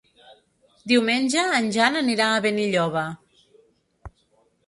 Diumenge en Jan anirà a Benilloba.